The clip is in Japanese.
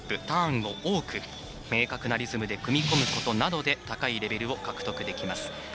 ターンを多く明確なリズムで組み込むことなどで高いレベルを獲得できます。